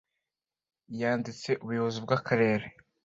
yanditse ubuyobozi bw’akarere